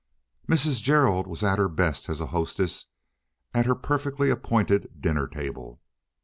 Mrs. Gerald was at her best as a hostess at her perfectly appointed dinner table.